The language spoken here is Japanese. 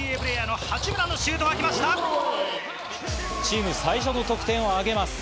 チーム最初の得点をあげます。